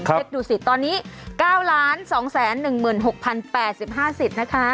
เช็คดูสิตอนนี้๙๒๑๖๐๘๕สิทธิ์นะคะ